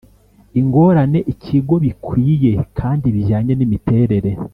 Ingorane ikigo bikwiye kandi bijyanye n imiterere